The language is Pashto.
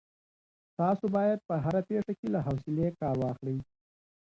تاسو باید په هره پېښه کي له حوصلې کار واخلئ.